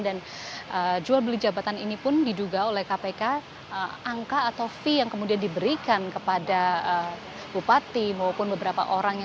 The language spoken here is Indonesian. dan jual beli jabatan ini pun diduga oleh kpk angka atau fee yang kemudian diberikan kepada bupati maupun beberapa orang